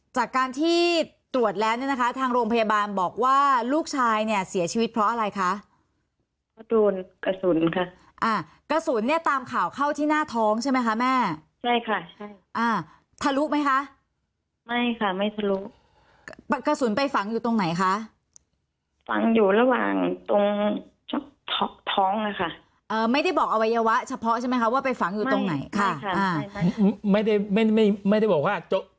จากการที่ตรวจแล้วเนี่ยนะคะทางโรงพยาบาลบอกว่าลูกชายเนี่ยเสียชีวิตเพราะอะไรคะโดนกระสุนค่ะอ่ากระสุนเนี่ยตามข่าวเข้าที่หน้าท้องใช่ไหมคะแม่ใช่ค่ะใช่อ่าทะลุไหมคะไม่ค่ะไม่ทะลุกระสุนไปฝังอยู่ตรงไหนคะฝังอยู่ระหว่างตรงท้องนะคะเอ่อไม่ได้บอกอวัยวะเฉพาะใช่ไหมคะว่าไปฝังอยู่ตรงไหนค่ะอ่าไม่ได้ไม่ไม่ไม่ได้บอกว่า